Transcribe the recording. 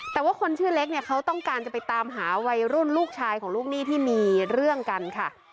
แต่ว่าคนชื่อเล็กเนี่ยเขาต้องการจะไปตามหาวัยรุ่นลูกชายของลูกหนี้ที่มีเรื่องกันค่ะ